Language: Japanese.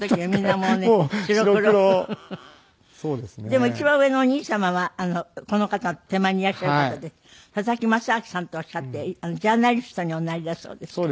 でも一番上のお兄様はこの方手前にいらっしゃる方で佐々木正明さんとおっしゃってジャーナリストにおなりだそうですけど。